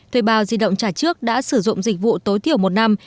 thuê bao di động trả trước đã sử dụng dịch vụ tối thiểu một năm